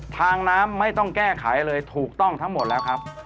ทางน้ำไม่ต้องแก้ไขเลยถูกต้องทั้งหมดแล้วครับ